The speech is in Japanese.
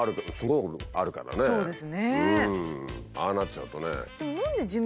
ああなっちゃうとね。